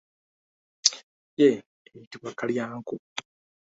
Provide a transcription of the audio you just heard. Yo eyitibwa kalyanku.